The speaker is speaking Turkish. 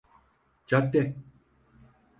Cadde…